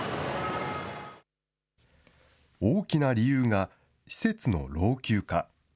大きな理由が、施設の老朽化。